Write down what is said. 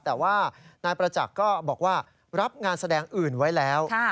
แต่ว่านายประจักษ์ก็บอกว่ารับงานแสดงอื่นไว้แล้ว